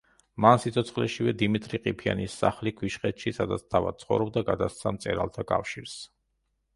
მან სიცოცხლეშივე დიმიტრი ყიფიანის სახლი ქვიშხეთში, სადაც თავად ცხოვრობდა, გადასცა მწერალთა კავშირს.